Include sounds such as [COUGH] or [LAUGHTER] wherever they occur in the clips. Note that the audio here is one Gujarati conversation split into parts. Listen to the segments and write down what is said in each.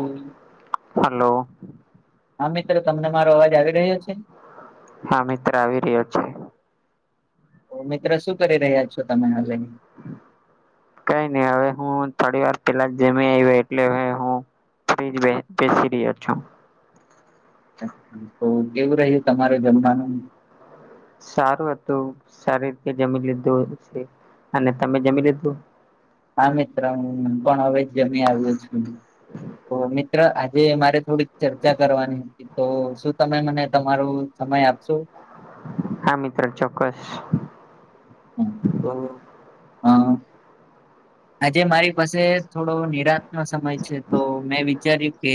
હમ હલો હા મિત્રો તમને મારો અવાજ આવી રહ્યો છે. હા મિત્ર આવી રહ્યો છે. મિત્ર શું કરી રહ્યા છો તમે આજે. કઈ નહી હવે હું થોડીવાર પેલા જ જમી આવ્યો એટલે મે હું ફ્રિજ બે બેેશી રહ્યો છું. તો કેવું રહ્યું તમારે જમવાનું? સારું હતું સારી રીતે જમી લીધું છે અને તમે જમી લીધું? હા મિત્ર હુ પણ હવે જમી આવ્યો છું. તો મિ ત્ર આજે મારે થોડીક ચર્ચા કરવાની હતી. તો શું તમે મને તમારો સમય આપશો? હા મિત્ર ચોક્કસ. હમ તો હ. આજે મારી પાસે થોડો નિરાત નો સમય છે તો મેં વિચાર્યું કે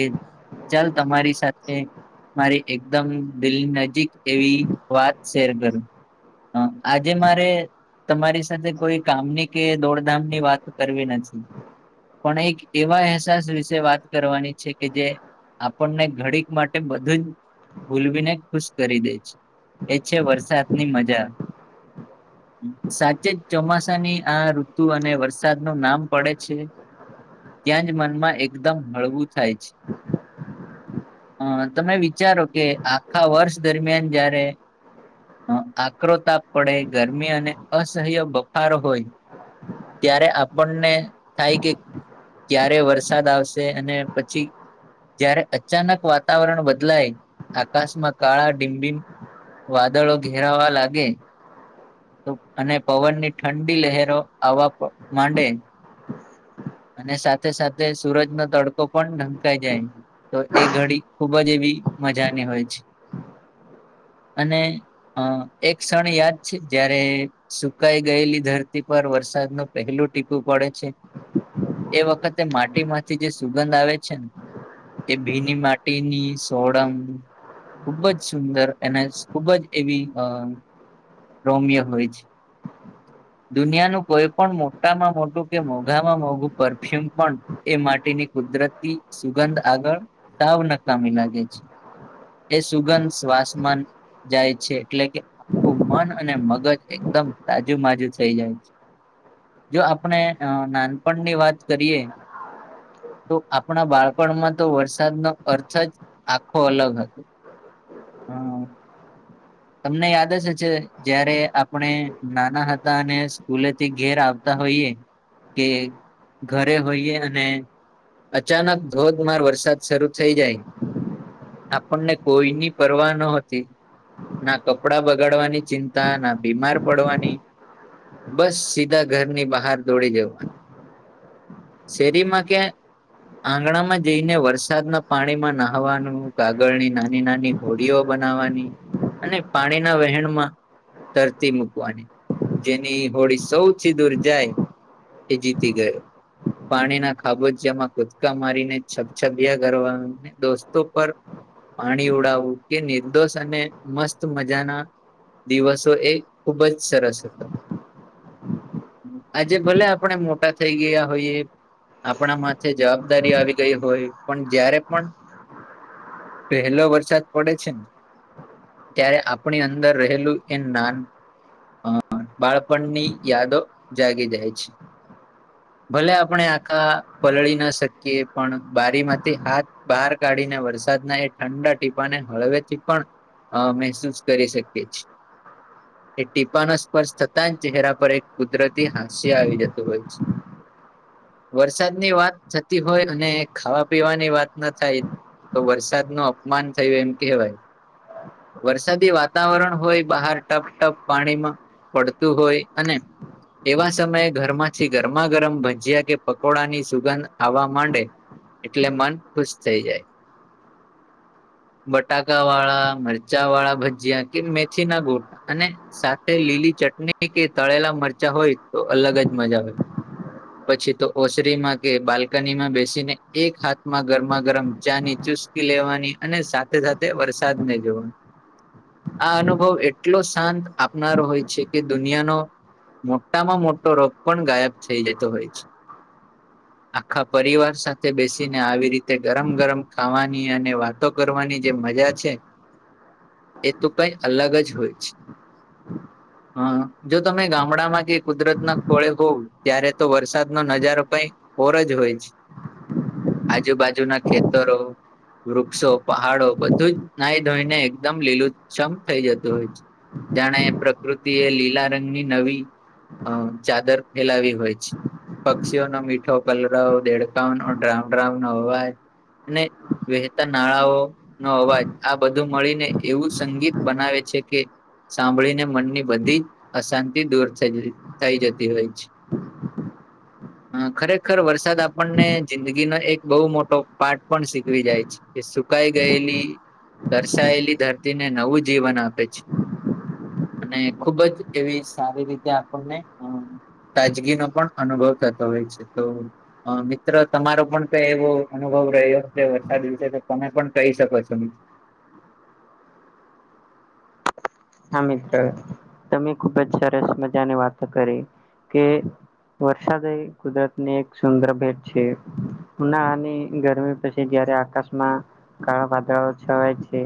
ચાલ તમારી સાથે મારી એકદમ દિલ નજીક એવી વાત શેર કરું. હ આજે મારે તમારી સાથે કોઈ કામની કે દોડધામ ની વાત કરવી નથી પણ એક એવા અહેસાસ વિશે વાત કરવાની છે કે જે આપણને ઘડીક માટે બધું જ ભૂલવીને ખુશ કરી દે છે. એ છે વરસાદની મજા. હ સાચે જ ચોમાસાની આ ઋતુ અને વરષ સાદ નું નામ પડે છે. ત્યાં જ મનમાં એકદમ હળવું થાય છે. હ તમે વિચારો કે આખા વર્ષ દરમિયાન જયારે અ આકરો તાપ પડે ગરમી અને અસહ્ય બફારો હોય ત્યારે આપણને થાય કે ક્યારે વરસાદ આવશે અને પછી જયારે અચાનક વાતાવરણ બદલાય આકાશમાં કાળા ડિમ ડિમ વાદળો ઘેરાવા લાગે. અને પવનની ઠંડી લહેરો આવવાપ માંડે. અને સાથે સાથે સુરજ ન તડકો પણ ઢંકાઈ જાય છે. તો એ ઘડી ખૂબ જ એવી મજાની હોય છે અને હ એક ક્ષણ યાદ છે જયારે સુકાઈ ગયેલી ધરતી પર વરસાદ નો પહેલું ટીપુ પડે છે. એ વખતે માટી માંથી જે સુગંધ આવે છે ને એ ભીની માટીની સોડંગ, ખુબ જ સુંદર એને ખુબ જ એવી અ રોમ્યો હોય છે. દુનિયા નું કોઈ પણ મોટામાં મોટું કે મોંઘામાં મોઘું પરફ્યુમ પણ એ માટેની કુદરતી સુગંધ આગળ, સાવ નકામી લાગે છે એ સુગંધ શ્વાસમાન જાય છે એટલે કે, મન અને મગજ એકદમ તાજુમાંજુ થઇ જાય છે. જો આપણે નાનપણની વાત કરીએ, તો આપણા બાળપણમાં તો વરસાદનો અર્થ જ આખો અલગ હતો હમ, તમને યાદ જ હશે જયારે આપણે નાના હતા અને સ્કૂલેથી ઘેર આવતા હોઈએ, કે ઘરે હોઈએ અને, અચાનક ધોધમાર વરસાદ શરૂ થઇ જાય. આપણને કોઈની પરવાહ ન હતી. ના કપડાં બગાડવાની ચિંતા ના બીમાર પડવાની. બસ સીધા ઘરની બહાર દોડી જવું. સેરી મા ક્યા આંગણામાં જઈને માં વરસાદના પાણીમાં નહાવાનું કાગળ ની નાની નાની હોડીઓ બનાવવાની. અને પાણીના વહેણમાં તરતી મૂકવાની. જેની હોળી સૌથી દૂર જાય એ જીતી ગયો. પાણી ના ખાબોચિયામાં કુદકા મારીને છપછપિયા કરવાનું દોસ્તો પર પાણી ઉડાવવું કે નિર્દોષ અને મસ્ત મજાના દિવસો એ ખુબ જ સરસ હતા. આજે ભલે મોટા થઈ ગયા હોઈએ, આપણા માથે જવાબદારી આવી ગઈ હોય પણ જયારે પણ, પેહલો વરસાદ પડે છે. ત્યારે આપણી અંદર રહેલું કે નાન હ બાળપણની યાદો જાગી જાય છે. ભલે આપણે આખા પલળી ના શકીએ પણ બારીમાંથી હાથ બહાર કાઢીને વરસાદના એ ઠંડા ટીપાને હળવે થી પણ, અ મહેસૂસ કરી શકીએ છીએ. એ ટીપા ના સ્પર્શ થતા ચહેરા પર એક કુદરતી હાસ્ય આવી જતું હોય છે. હ [INAUDIBLE] વરસાદની વાત થતી હોય અને ખાવા પીવાની વાત ના થાય, તો વરસાદનું અપમાન થયું એમ કહેવાય. વરસાદી વાતાવરણ હોય બહાર ટપ ટપ પાણીમાં પડતું હોય અને, એવા સમયે ઘરમાંથી ગરમા ગરમ ભજીયા કે પકોડાની સુગંધ આવવા માંડે, એટલે મન ખુશ થઈ જાય, બટાકા વાળા. મરચા વાળા ભજીયા, કે મેથી ના ગોઠા અને, સાથે લીલી ચટણી કે તળેલા મરચાં હોય તો અલગ જ મજા હોય. પછી તો ઓસરીમાં કે બાલ્કનીમાં બેસીને એક હાથમાં ગરમા ગરમ ચા ની ચુસ લેવાની અને સાથે સાથે વરસાદને જો, આ અનુભવ એટલો શાંત આપનારો હોય છે કે દુનિયાનો, મોટામાં મોટો રોગ પણ ગાયબ થઈ જતો હોય છે. [INAUDIBLE] આખા પરિવાર સાથે બેસીને આવી રીતે ગરમ ગરમ ખાવાની અને વા તો કરવાની જે મજા છે, એ તો કઈ અલગ જ હોય છે. [INAUDIBLE] હા જો તમે ગામડામાં કે કુદરત ના ખોળે હોવ ત્યારે તો વરસાદ નો નજારો કઈ ઓર જ હોય છે. આજુબાજુના ખેતરો વૃક્ષો પહાડો બધું જ નાઈ ધોઈને એકદમ લીલું છમ થઈ જતું હોય છે. જાણે પ્રકૃતિ એ લીલા રંગની નવી અ ચાદર ફેલાવી હોય છે. પક્ષીઓનો મીઠો કલરવ દેડકાનો ડ્રાઉડ્રાવ નો અવાજ. અને વહેતા નાળાઓ નો અવાજ આ બધું મળીને એવું સંગીત બનાવે છે કે સાંભળીને મનની બધી જ અશાંતિ દૂર થઇ થઈ જતી હોય છે. [INAUDIBLE] હ ખરેખર વરસાદ આપણને જિંદગીનો એક બહુ મોટો પાર્ટ પણ શીખવી જાય છે. કે સુકાઈ ગયેલી તર્શાયેલી ધરતીને નવું જીવન આપે છે. અને ખુબ જ એવી સારી રીતે આપણને તાજગીનો પણ અનુભવ થતો હોય છે તો મિત્ર તમારો પણ કઈ એવો અનુભવ રહ્યો હશે વરસાદ વિશે તો તમે પણ કહી શકો છો મિત્ર. હા મિત્ર તમે ખુબ જ સરસ મજા ની વાતો કરી કે વરસાદ એ કુદરતની એક સુંદર ભેટ છે ઉનાળાની ગરમી પસી જયારે આકાશમાં કાળા વાદળ છવાય છે.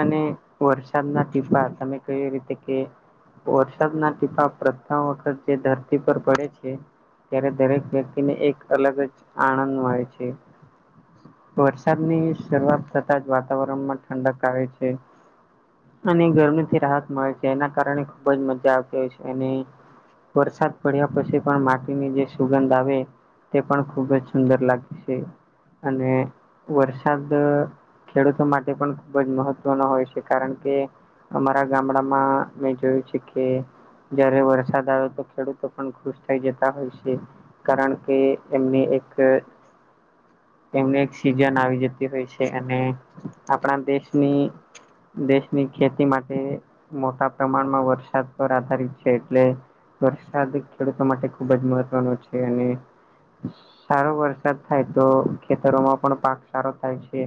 અને વરસાદના ટીપા તમે કઈ રીતે કે વરસાદના ટીપા પ્રથમ વખત જે ધરતી પર પડે છે. ત્યારે દરેક વ્યક્તિને એક અલગ જ આનંદ મળે છે. વરસાદની શરૂઆત થતાં જ વાતાવરણમાં ઠંડક આવે છે. અને ગરમીથી રાહત મળે છે એના કારણે ખુબ જ મજા આવતી હોય છે અને વરસાદ પડ્યા પછી પણ માટીની જે સુગંધ આવે તે પણ ખૂબ જ સુંદર લાગે છે અને વરસાદ ખેડૂતો માટે પણ ખૂબ જ મહત્વનો હોય છે કારણ કે અમારા ગામડામાં મેં જોયું છે કે જયારે વરસાદ આવે તો ખેડૂતો પણ ખુશ થઈ જતા હોય છે. કારણ કે એમને એક એમને એક સિજન આવી જતી હોય છે અને આપણા દેશની દેશની ખેતી માટે મોટા પ્રમાણમાં વરસાદ પર આધારિત છે એટલે વરસાદ ખેડૂતો માટે ખુબ જ મહત્વનો છે અને સારો વરસાદ થાય તો ખેતરોમાં પણ પાક સારો થાય છે.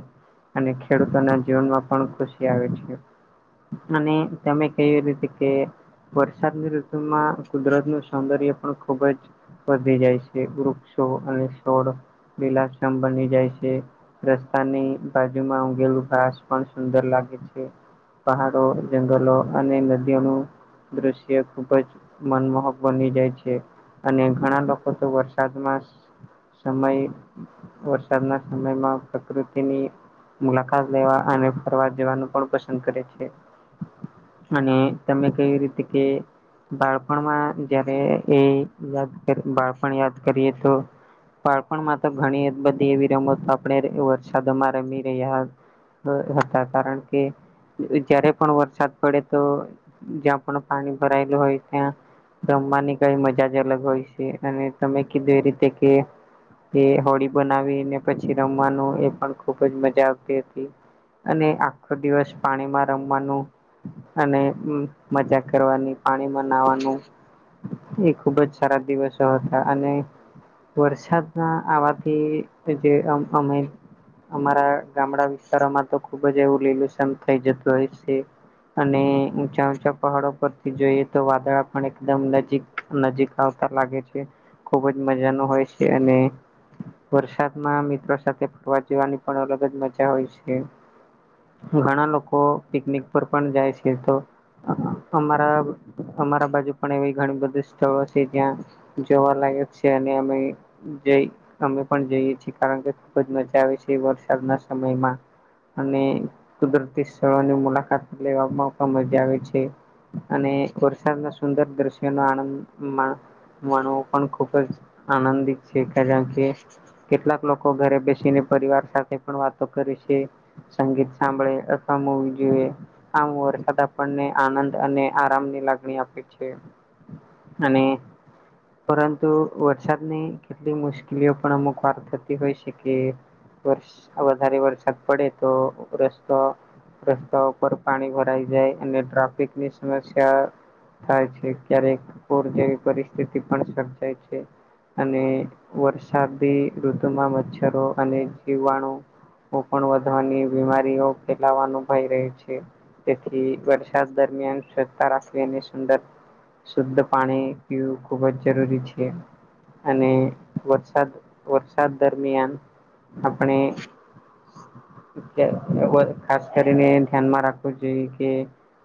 અને ખેડૂતોના જીવનમાં પણ ખુશી આવે છે. અને તમે કયું એ રીતે કે વરસાદની ઋતુમાં કુદરતનું સૌંદર્ય પણ ખુબ જ વધી જાય છે વૃક્ષો અને છોડ લીલાછમ બની જાય છે. રસ્તાની બાજુમાં ઊગેલું ઘાસ પણ સુંદર લાગે છે. પહાડો જંગલો અને નદીઓ નું દ્રશ્ય ખુબ જ મનમોહક બની જાય છે. અને ઘણા લોકો તો વરસાદમાં સમય વરસાદના સમયમાં પ્રકૃતિની મુલાકાત લેવા અને ફરવા જવાનું પણ પસંદ કરે છે. અને તમે કઈ રીતે કે બાળપણમાં જયારે એ યાદ બાળપણ યાદ કરીએ તો બાળપણમાં તો ઘણી બધી એવી રમતો આપડે વરસાદોમાં રમી રહ્યા હ હતા કારણ કે જયારે પણ વરસાદ પડે તો જ્યાં પણ પાણી ભરાયેલું હોય ત્યાં રમવાની કઈ મજા જ અલગ હોય છે અને તમે કીધું એ રીતે કે એ હોળી બનાવી ને પછી રમવાનું એ પણ ખુબ જ મજા આવતી હતી. અને આખો દિવસ પાણીમાં રમવાનું અને મજા કરવાની પાણીમાં નાહવાનું એ ખુબ જ સારા દિવસો હતા અને વરસાદના આવાથી જે આમ અમે અમારા ગામડા વિસ્તારોમાં તો ખુબ જ એવું લીલુછમ થઈ જતું હોય છે. અને ઉંચા ઉંચા પહાડો પરથી જોઈએ તો વાદળા પણ એકદમ નજીક નજીક આવતા લાગે છે ખુબ જ મજા નો હોય છે અને વરસાદમાં મિત્રો સાથે ફરવા જવાની પણ અલગ જ મજા હોય છે. ઘણા લોકો પિકનિક પર પણ જાય છે તો અમારા અમારા બાજુ પણ એવી ઘણી બધી સ્થળો છે જ્યાં જોવા લાગે છે અને અમે જઈ અમે પણ જઈએ છીએ કારણ કે ખુબ જ મજા આવે છે વરસાદના સમયમાં. અને કુદરતી સ્થળોની મુલાકાત લેવામાં પણ મજા આવે છે. અને વરસાદ ના સુંદર દ્રશ્યો નો આનંદમાં માનવું પણ ખુબ જ આનંદિત છે કારણ કે કેટલાક લોકો ઘરે બેસીને પરિવાર સાથે પણ વાતો કરે છે. સંગીત સાંભળે અથવા મુવી જોએ આમ વરસાદ આપણને આનંદ અને આરામની લાગણી આપે છે. અને પરંતુ વરસાદની કેટલી મુશ્કેલીઓ પણ અમુક વાર થતી હોય છે કે વર્ષ આ વધારે વરસાદ પડે તો રસ્તો રસ્તાઓ પર પાણી ભરાઈ જાય અને ટ્રાફિક ની સમસ્યા થાય છે ક્યારેક પૂર જેવી પરિસ્થિતિ પણ સર્જાય છે. અને વરસાદી ઋતુ માં મચ્છરો અને જીવાણુ હું પણ વધવાની બીમારીઓ ફેલાવાનું હોઈ રહી છે. તેથી વરસાદ દરમિયાન સજતા રાખવી અને સુંદર શુદ્ધ પાણી પીવું ખુબ જ જરૂરી છે. અને વરસાદ વરસાદ દરમિયાન આપણે અહ અવ ખાસ કરીને ધ્યાનમાં રાખવું જોઈએ કે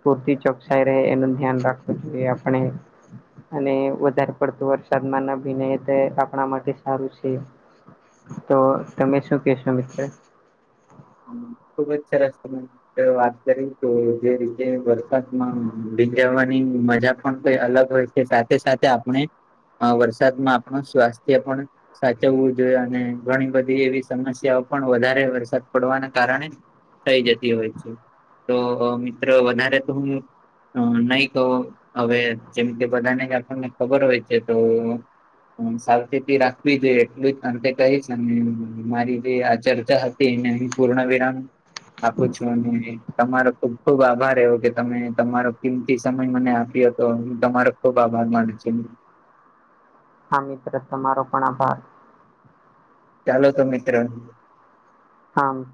પૂરતિ ચોકસાઈ રહે એનું ધ્યાન રાખવું જોઈએ આપણે. અને વધારે પડતું વરસાદમાં નાના ભીને તે આપણા માટે સારું છે. તો તમે શું કેશો મિત્ર. હ ખુબજ સરસ ખબર હ વાત કરી તો જે રીતે વરસાદમાં ભીંજાવાની મજા પણ કઈ અલગ હોય. સાથે સાથે આપણે વરસાદમાં આપણું સ્વાસ્થ્ય પણ સાચવવું જોઈએ અને ઘણી બધી એવી સમસ્યાઓ પણ વધારે વરસાદ પડવાના કારણે થઈ જતી હોય છે તો મિત્રો વધારે તો હું નહી તો હવે જેમ કે બધાનેણને ખબર હોય છે, તો સાવચેતી રાખવી જોઈએ એટલું જ અંતે કહીશ ને મારી જે આ ચર્ચા હતી એને પૂર્ણ વિરામ આપું છું. અને તમારો ખુબ ખુબ આભાર એવો કે તમે તમારો કિંમતી સમય મને આપ્યો હતો. તમારો ખૂબ આભાર માનું છું. હા મિત્ર તમારો પણ આભાર. ચાલો તો મિત્ર. હા.